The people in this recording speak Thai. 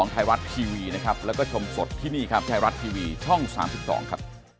ใช่พี่หนูตามเขาไม่ได้หนูหาเจ้าไม่เจอแล้ว